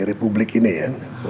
republik ini ya